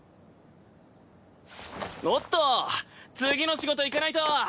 おっと次の仕事行かないと！